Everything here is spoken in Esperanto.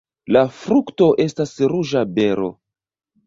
La frukto estas ruĝa bero.